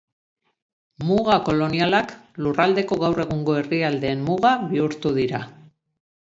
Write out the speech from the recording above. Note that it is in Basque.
Muga kolonialak, lurraldeko gaur egungo herrialdeen muga bihurtu dira.